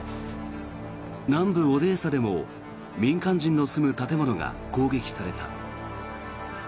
南部オデーサでも民間人の住む建物が攻撃された。